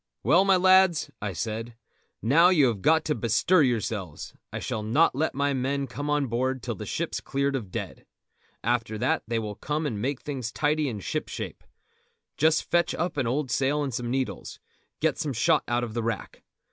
"Well, my lads," I said, "now you have got to bestir yourselves. I shall not let my men come on board till the ship's cleared of dead. After that they will come and make things tidy and shipshape. Just fetch up an old sail and some needles; get some shot out of the rack.